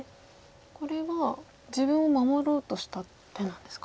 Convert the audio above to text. これは自分を守ろうとした手なんですか。